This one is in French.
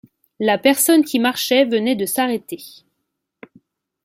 La personne qui marchait venait de s’arrêter.